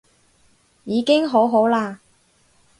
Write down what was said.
已經好好啦